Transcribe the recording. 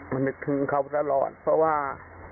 มันนึกถึงเขาตลอดเพราะว่า